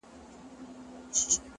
د تمرکز ځواک هدف روښانه ساتي.